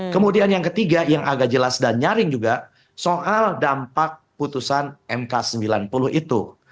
kemudian yang ketiga yang agak jelas dan nyaring juga soal dampak putusan mk sembilan puluh itu